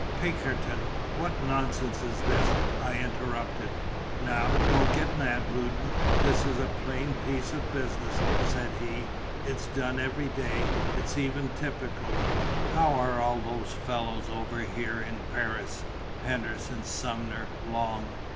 "Pinkerton, what nonsense is this?" I interrupted. "Now don't get mad, Loudon; this is a plain piece of business," said he; "it's done every day; it's even typical. How are all those fellows over here in Paris, Henderson, Sumner, Long?